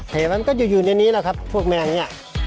เห็นมั้งก็อยู่ในนี้แล้วครับพวกมเนี่ย